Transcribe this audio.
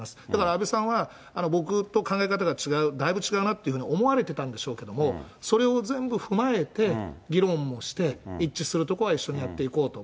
安倍さんは僕と考え方が違う、だいぶ違うなって思われたんでしょうけれども、それを全部踏まえて、議論もして、一致するところは一緒にやっていこうと。